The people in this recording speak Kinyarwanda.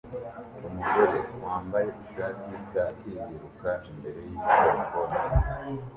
Umugore wambaye ishati yicyatsi yiruka imbere yisoko nini